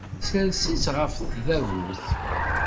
Ssers-itt ɣef tdabut.